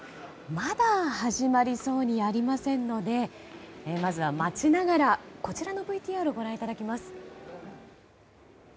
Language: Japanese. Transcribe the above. まだ始まりそうにありませんのでまずは待ちながら、こちらのＶＴＲをご覧いただきます。